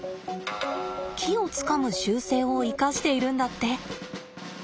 木をつかむ習性を生かしているんだって。